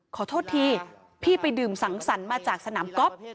ขอโทษทีพี่ไปดื่มสังสรรค์มาจากสนามก๊อฟ